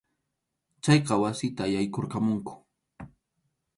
Chayqa wasita yaykurqamunku.